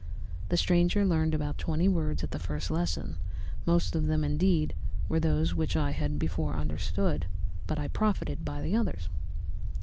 The stranger learned about twenty words at the first lesson; most of them, indeed, were those which I had before understood, but I profited by the others.